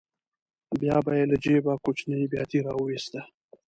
بیا به یې له جېبه کوچنۍ بیاتي راوویسته.